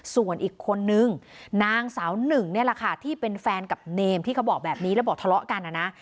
ส่วนอีกคนนึงนางสาวหนึ่งนี่แหละค่ะที่เป็นแฟนกับเนมที่เขาบอกแบบนี้แล้วบอกทะเลาะกันนะนะ